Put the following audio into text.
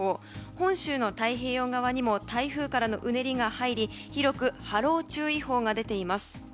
本州の太平洋側にも台風からのうねりが入り広く波浪注意報が出ています。